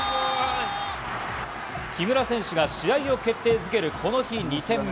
木村選手が試合を決定付ける、この日２点目。